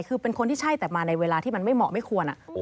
คือเป็นคนที่ใช่แต่มาในเวลาที่มันไม่เหมาะไม่ควร